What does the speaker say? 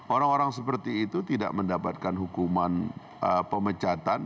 orang orang seperti itu tidak mendapatkan hukuman pemecatan